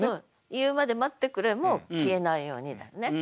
「言うまで待ってくれ」も「消えないように」だよね。